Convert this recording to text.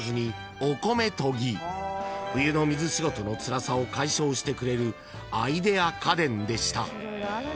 ［冬の水仕事のつらさを解消してくれるアイデア家電でした］